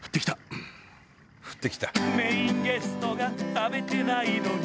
メインゲストが食べてないのに